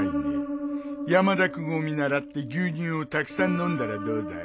山田君を見習って牛乳をたくさん飲んだらどうだい。